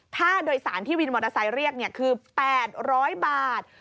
ค่าโดยสารที่วินมอเตอร์ไซค์เรียกคือ๘๐๐บาท